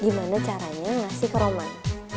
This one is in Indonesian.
gimana caranya ngasih ke roman